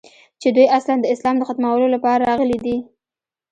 چې دوى اصلاً د اسلام د ختمولو لپاره راغلي دي.